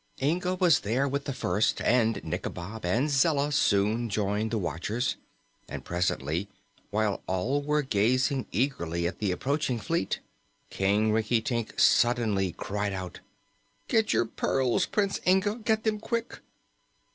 Inga was there with the first, and Nikobob and Zella soon joined the watchers. And presently, while all were gazing eagerly at the approaching fleet, King Rinkitink suddenly cried out: "Get your pearls, Prince Inga get them quick!"